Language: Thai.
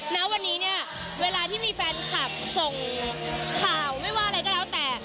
ณวันนี้เนี่ยเวลาที่มีแฟนคลับส่งข่าวไม่ว่าอะไรก็แล้วแต่